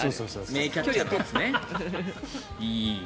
名キャッチャーなんですね。